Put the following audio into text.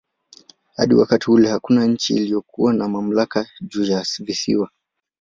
Hadi wakati ule hakuna nchi iliyokuwa na mamlaka juu ya visiwa.